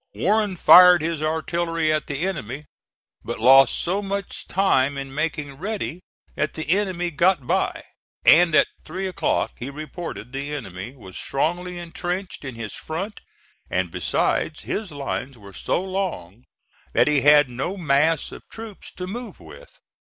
Warren fired his artillery at the enemy; but lost so much time in making ready that the enemy got by, and at three o'clock he reported the enemy was strongly intrenched in his front, and besides his lines were so long that he had no mass of troops to move with.